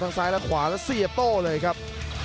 ซ้ายและขวาแล้วเสียโต้เลยครับ